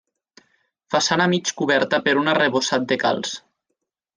Façana mig coberta per un arrebossat de calç.